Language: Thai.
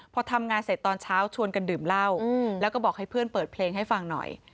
พอทำงานเสร็จตอนเช้าชวนกันดื่มเหล้าแล้วก็บอกให้เพื่อนเปิดเพลงให้ฟังหน่อย